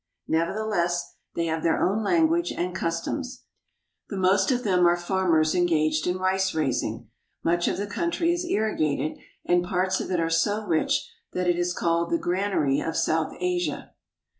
Nevertheless, they have their own language and customs. The most of them are farmers engaged in rice raising. Much of the country is irrigated, and parts of it are so rich that it is called the granary of south Asia.